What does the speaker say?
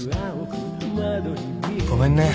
ごめんね。